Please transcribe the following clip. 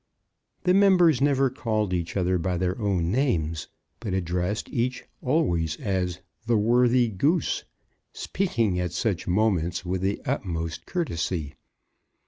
The members never called each other by their own names, but addressed each always as "The worthy Goose," speaking at such moments with the utmost courtesy.